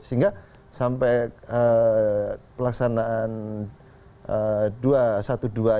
sehingga sampai pelaksanaan dua satu demo kita tidak bisa menghidupkan bundaran hi